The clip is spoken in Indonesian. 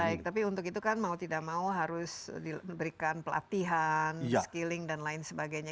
baik tapi untuk itu kan mau tidak mau harus diberikan pelatihan skilling dan lain sebagainya